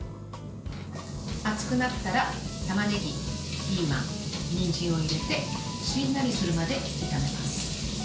熱くなったら、たまねぎピーマン、にんじんを入れてしんなりするまで炒めます。